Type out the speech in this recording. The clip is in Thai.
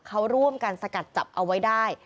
เขาร่วมกันสกัดจับเอาไว้ได้